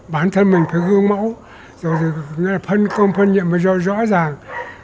bản thân mình phải gương mẫu rồi thì công phân nhiệm mới rõ ràng